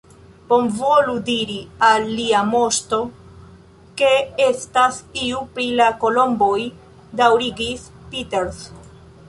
Bonvolu diri al Lia Moŝto, ke estas iu pri la kolomboj, daŭrigis Peters.